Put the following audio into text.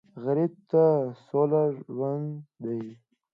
غریب ته سوله ژوند دی